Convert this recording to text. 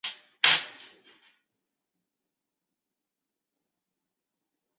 树液亦可能会刺激眼睛及胃肠管。